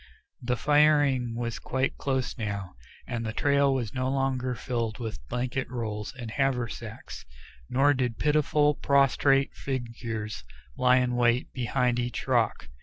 The firing was quite close now, and the trail was no longer filled with blanket rolls and haversacks, nor did pitiful, prostrate figures lie in wait behind each rock.